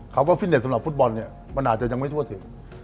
ครับว่าฟิตเนทสำหรับฟุตบอลมันอาจจะยังไม่ชั่วถึง